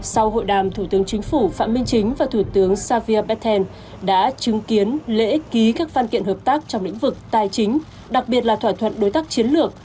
sau hội đàm thủ tướng chính phủ phạm minh chính và thủ tướng savia berthen đã chứng kiến lễ ký các văn kiện hợp tác trong lĩnh vực tài chính đặc biệt là thỏa thuận đối tác chiến lược